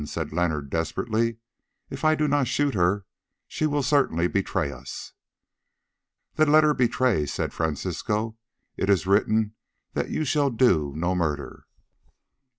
said Leonard desperately. "If I do not shoot her, she will certainly betray us." "Then let her betray," said Francisco; "it is written that you shall do no murder."